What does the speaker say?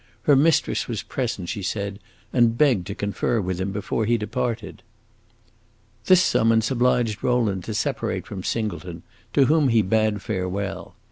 Her mistress was present, she said, and begged to confer with him before he departed. This summons obliged Rowland to separate from Singleton, to whom he bade farewell.